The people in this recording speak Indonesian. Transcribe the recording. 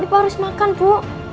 ibu harus makan bu